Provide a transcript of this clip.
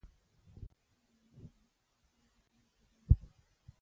استاد بینوا د حقیقت ویلو جرأت درلود.